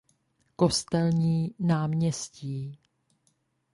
Kostelní nám.